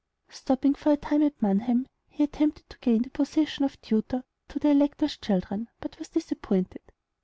Stopping for a time at Mannheim, he attempted to gain the position of tutor to the elector's children, but was disappointed.